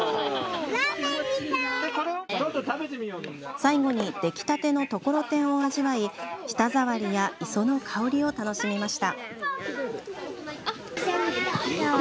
最後にできたてのところてんを味わい舌触りや磯の香りを楽しみました。